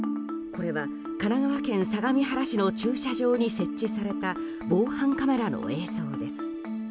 これは神奈川県相模原市の駐車場に設置された防犯カメラの映像です。